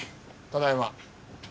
ただいま。